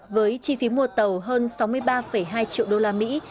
với chi phí mua tàu hơn sáu mươi ba hai triệu đô la mỹ